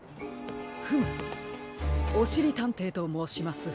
フムおしりたんていともうします。